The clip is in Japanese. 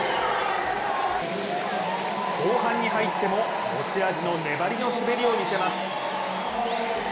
後半に入っても持ち味の粘りの滑りを見せます。